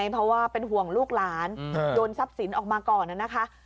เพราะว่าเป็นห่วงลูกหลานโยนทรัพย์สินออกมาก่อนนะคะ